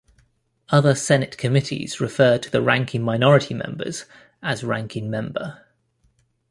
Other Senate committees refer to the ranking minority members as Ranking Member.